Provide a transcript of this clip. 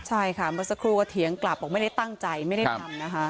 ใช่เข้าคือมาสักครู่วดเถียงกลับปรองไม่ได้ตั้งใจไม่ได้ทำนะคะ